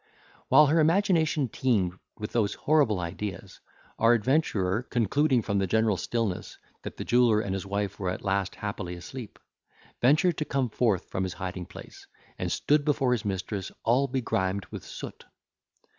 While her imagination teemed with those horrible ideas, our adventurer, concluding, from the general stillness, that the jeweller and his wife were at last happily asleep, ventured to come forth from his hiding place, and stood before his mistress all begrimed with soot.